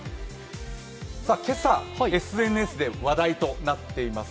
今朝、ＳＮＳで話題となっています